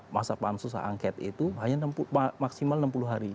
masa pansus h angket itu maksimal enam puluh hari